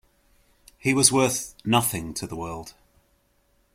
He was worth nothing to the world.